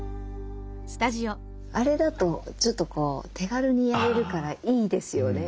あれだとちょっと手軽にやれるからいいですよね。